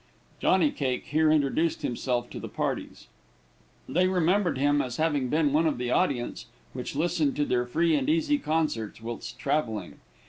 Johnny Cake here introduced himself to the parties. They remembered him as having been one of the audience which listened to their free and easy concerts whilst travelling.